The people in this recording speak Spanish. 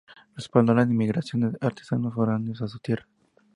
Respaldó la inmigración de artesanos foráneos a sus tierras.